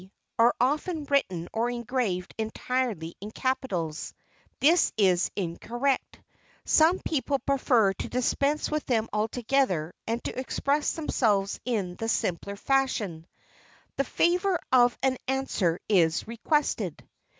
p." are often written or engraved entirely in capitals. This is incorrect. Some people prefer to dispense with them altogether and to express themselves in the simpler fashion, "The favor of an answer is requested."